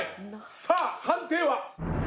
さあ判定は？